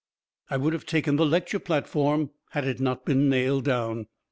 I would have taken the lecture platform had it not been nailed down.